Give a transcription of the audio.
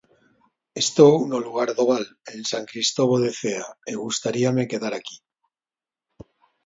Estou no lugar do Val, en San Cristovo de Cea, e gustaríame quedar aquí.